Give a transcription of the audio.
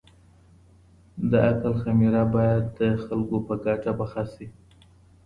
د عقل خميره بايد د خلګو په ګټه پخه سي.